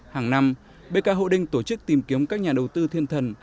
hàng năm bk hậu đinh tổ chức tìm kiếm các nhà đầu tư thiên thần